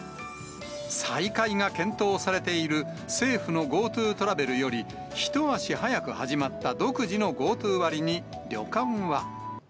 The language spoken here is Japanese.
再開が検討されている政府のＧｏＴｏトラベルより、一足早く始まった独自のＧｏＴｏ割に旅館は。